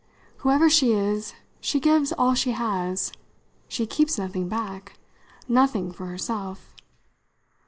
"Whoever she is, she gives all she has. She keeps nothing back nothing for herself."